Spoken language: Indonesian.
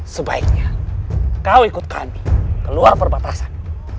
sebaiknya kau ikut kami keluar perbatasan